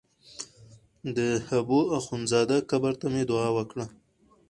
د حبو اخند زاده قبر ته مې دعا وکړه.